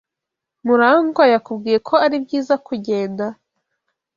Murangwa yakubwiye ko ari byiza kugenda?